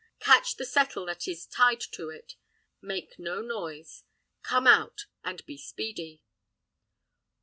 Catch the settle that is tied to it. Make no noise. Come out, and be speedy."